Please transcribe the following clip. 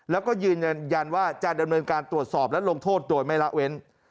แล้วก็ยืนยันว่าจะดำเนินการตรวจสอบและลงโทษโดยไม่ละเว้น